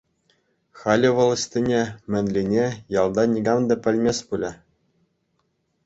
Халӗ вӑл ӑҫтине, мӗнлине ялта никам та пӗлмест пулӗ.